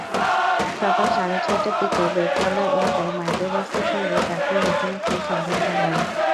সকাল সাড়ে ছয়টার দিকে বেড়তলা এলাকায় মাইক্রোবাসটির সঙ্গে ট্রাকটির মুখোমুখি সংঘর্ষ হয়।